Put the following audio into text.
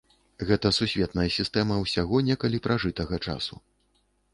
Гэта сусветная сістэма ўсяго некалі пражытага часу.